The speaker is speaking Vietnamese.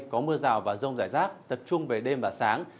có mưa rào và rông rải rác tập trung về đêm và sáng